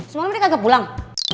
semalem dia kagak pulang